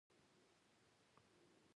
کاروان په اتلسمه شپه اصفهان ته ورسېد.